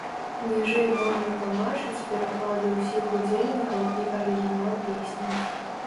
Ніжэй можна пабачыць пераклады ўсіх удзельнікаў і арыгінал песні.